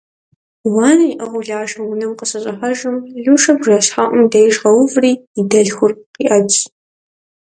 Уанэр иӏыгъыу Лашэр унэм къыщыщӏыхьэжым, Лушэр бжэщхьэӏум деж къэуври, и дэлъхур къиӏэтщ.